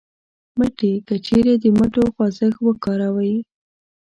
مټې : که چېرې د مټو خوځښت وکاروئ